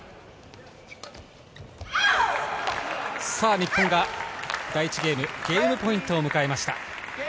日本が第１ゲーム、ゲームポイントを迎えました。